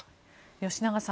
吉永さん